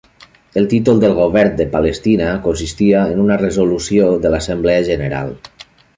El títol del Govern de Palestina consistia en una resolució de l'Assemblea General.